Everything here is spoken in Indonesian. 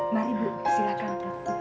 mari ibu silahkan